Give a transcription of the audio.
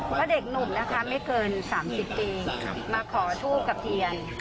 เพราะเด็กหนุ่มนะคะไม่เกิน๓๐ปีมาขอทูบกับเทียน